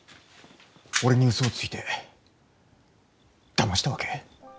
俺にウソをついてだましたわけ？